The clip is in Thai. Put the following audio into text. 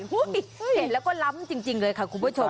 เห็นแล้วก็ล้ำจริงเลยค่ะคุณผู้ชม